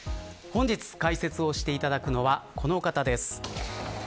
本日解説をしていただくのはこの方です。